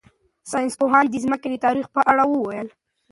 ساینس پوهانو د ځمکې د تاریخ په اړه وویل.